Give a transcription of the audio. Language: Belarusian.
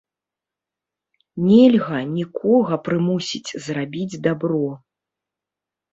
Нельга нікога прымусіць зрабіць дабро.